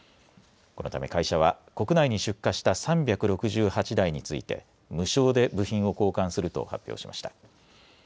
このため、会社は国内に出荷した３６８台について、無償で部品を交換すると発表しました。